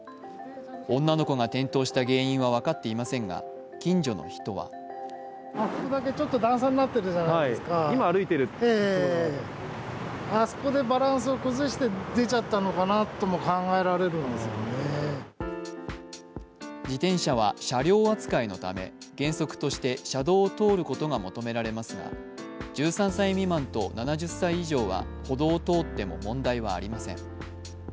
女の子が転倒した原因は分かっていませんが近所の人は自転車は車両扱いのため原則として車道を通ることを求められますが、１３歳未満と７０歳以上は歩道を通っても問題はありません。